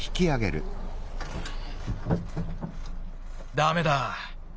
ダメだ。